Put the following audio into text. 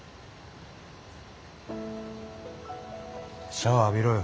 シャワー浴びろよ。